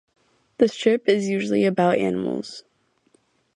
The strip is usually about animals.